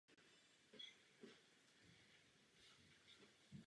Toto nebezpečí hrozí především v Africe.